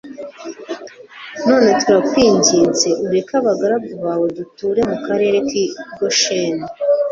none turakwinginze ureke abagaragu bawe duture mu karere k'i gosheni